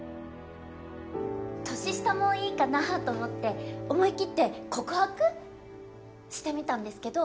年下もいいかなと思って思い切って告白してみたんですけど。